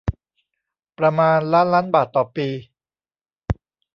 ประมาณล้านล้านบาทต่อปี